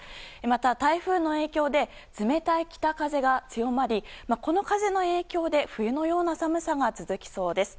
また、台風の影響で冷たい北風が強まりこの風の影響で冬のような寒さが続きそうです。